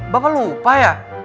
bapak lupa ya